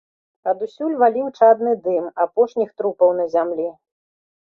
Адусюль валіў чадны дым апошніх трупаў на зямлі.